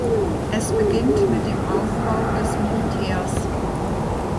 Es beginnt mit dem Aufbau des Militärs.